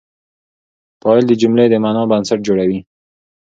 فاعل د جملې د معنی بنسټ جوړوي.